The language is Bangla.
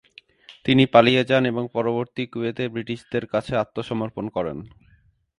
তিনি পালিয়ে যান এবং পরবর্তীতে কুয়েতে ব্রিটিশদের কাছে আত্মসমর্পণ করেন।